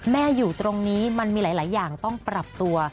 อยู่ตรงนี้มันมีหลายอย่างต้องปรับตัว